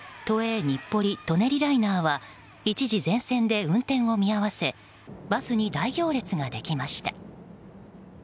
都営日暮里・舎人ライナーは一時全線で運転を見合わせバスに大行列ができました。